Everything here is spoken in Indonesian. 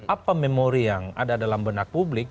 apa memori yang ada dalam benak publik